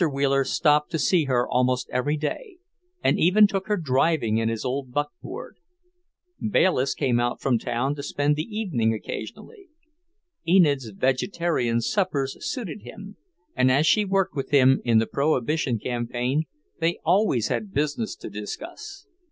Wheeler stopped to see her almost every day, and even took her driving in his old buckboard. Bayliss came out from town to spend the evening occasionally. Enid's vegetarian suppers suited him, and as she worked with him in the Prohibition campaign, they always had business to discuss.